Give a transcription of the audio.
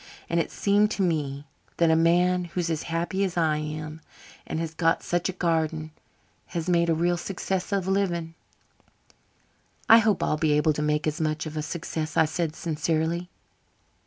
And it seemed to me that a man who's as happy as I am and has got such a garden has made a real success of living." "I hope I'll be able to make as much of a success," I said sincerely.